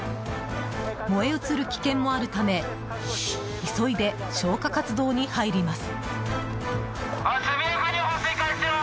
燃え移る危険もあるため急いで消火活動に入ります。